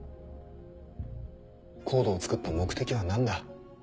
ＣＯＤＥを作った目的は何だ？